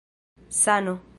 sano